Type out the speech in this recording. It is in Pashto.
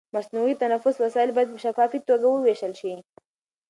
د مصنوعي تنفس وسایل باید په شفافي توګه وویشل شي.